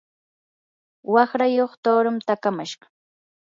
waqrayuq tuurun takamashqa.